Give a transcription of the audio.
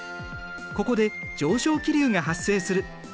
ここで上昇気流が発生する。